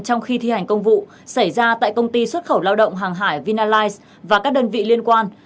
trong khi thi hành công vụ xảy ra tại công ty xuất khẩu lao động hàng hải vinalize và các đơn vị liên quan